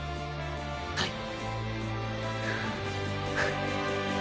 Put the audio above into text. はい。